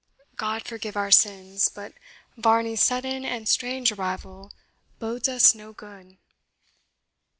God forgive our sins, but Varney's sudden and strange arrival bodes us no good."